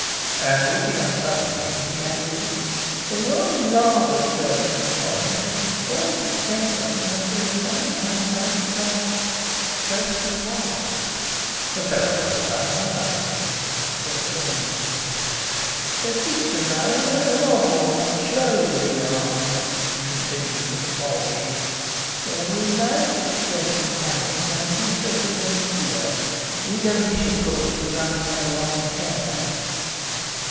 And, looking up suddenly, he added: "One rather curious point—47 has the same name as—er—31!" "The fellow knows I'm her husband," thought Soames. "Christian name—an odd one—Jolyon," continued Mr. Polteed. "We know his address in Paris and his residence here. We don't wish, of course, to be running a wrong hare."